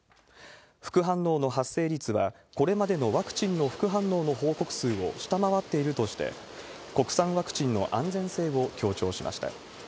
副反応の発生率は、これまでのワクチンの副反応の報告数を下回っているとして、国産ワクチンの安全性を強調しました。